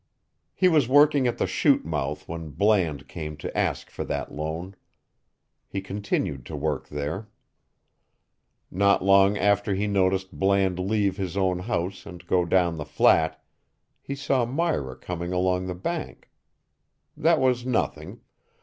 He was working at the chute mouth when Bland came to ask for that loan. He continued to work there. Not long after he noticed Bland leave his own house and go down the flat, he saw Myra coming along the bank. That was nothing.